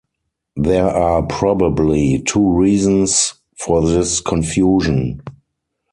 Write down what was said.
There are probably two reasons for this confusion.